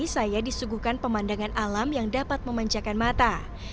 saya disuguhkan pemandangan alam yang dapat memanjakan mata